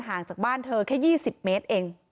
ห่างจากบ้านเธอแค่๒๐เมตรเอง